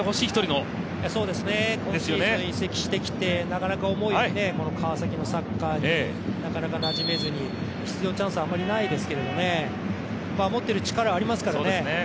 今シーズン移籍してきて思うように川崎のサッカーになかなかなじめずに出場チャンスはあまりないですけど持ってる力はありますからね。